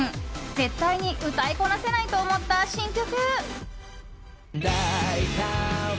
絶対に歌いこなせないと思った新曲。